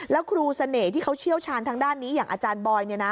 แล้วครูเสน่ห์ที่เขาเชี่ยวชาญทางด้านนี้อย่างอาจารย์บอย